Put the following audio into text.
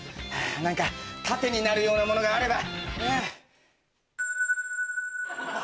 何か盾になるようなものがあれば。